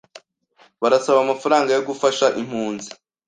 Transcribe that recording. Barasaba amafaranga yo gufasha impunzi.